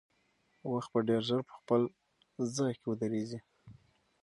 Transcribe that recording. وخت به ډېر ژر په خپل ځای کې ودرېږي.